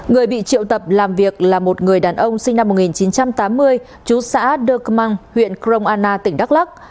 người bị triệu tập làm việc là một người đàn ông sinh năm một nghìn chín trăm tám mươi chú xã đơ măng huyện krong anna tỉnh đắk lắc